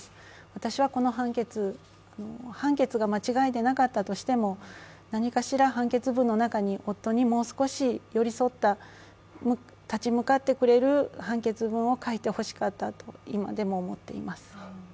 私はこの判決が間違いでなかったとしても何かしら判決文の中に夫にもう少し寄り添った立ち向かってくれる判決文を書いて欲しかったと今でも思っています。